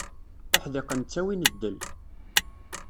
Uḥdiqen ttawin ddel.